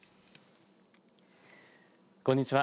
こんにちは。